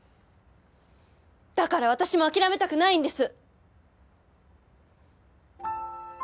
だから私も諦めたくないんです！